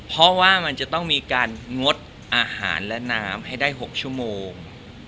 เพราะว่ามันจะต้องมีการงดอาหารและน้ำให้ได้๖ชั่วโมง